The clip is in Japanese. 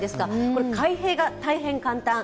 これ、開閉が大変簡単。